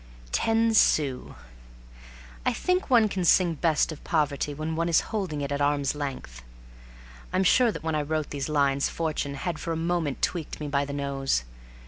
Ten sous. ... I think one can sing best of poverty when one is holding it at arm's length. I'm sure that when I wrote these lines, fortune had for a moment tweaked me by the nose.